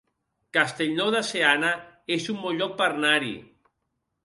Castellnou de Seana es un bon lloc per anar-hi